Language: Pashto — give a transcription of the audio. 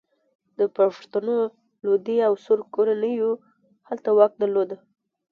د پښتنو لودي او سور کورنیو هلته واک درلود.